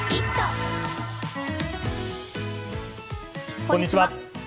こんにちは。